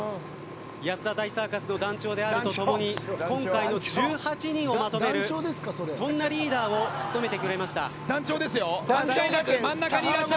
安田大サーカスの団長であると共に今回の１８人をまとめるそんなリーダーを団長ですか、それ。